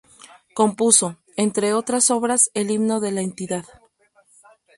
Compuso, entre otras obras, el himno de la entidad.